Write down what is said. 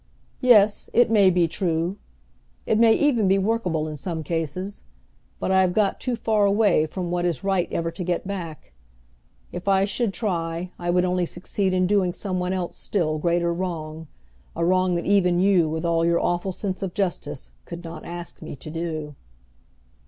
"Yes, it may be true. It may even be workable in some cases, but I have got too far away from what is right ever to get back. If I should try I would only succeed in doing some one else still greater wrong a wrong that even you, with all your awful sense of justice, could not ask me to do."